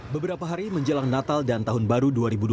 beberapa hari menjelang natal dan tahun baru dua ribu dua puluh